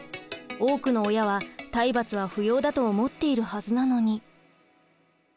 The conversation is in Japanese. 多くの親は体罰は不要だと思っているはずなのに。